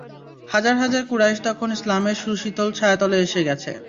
হাজার হাজার কুরাইশ তখন ইসলামের সুশীতল ছায়াতলে এসে গেছে।